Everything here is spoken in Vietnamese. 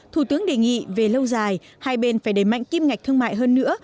thủ tướng đề nghị về lâu dài hai bên phải đẩy mạnh kim ngạch thương mại hơn nữa